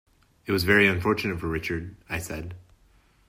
It was very unfortunate for Richard, I said.